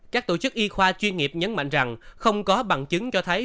các tổ chức y khoa chuyên nghiệp nhấn mạnh rằng không có bằng chứng cho thấy